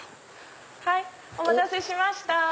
お待たせしました。